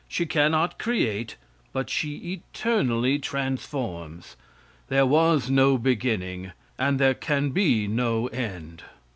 She cannot create, but she eternally transforms. There was no beginning; and there can be no end.